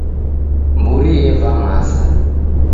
Mburi eva maza